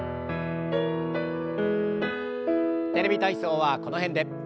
「テレビ体操」はこの辺で。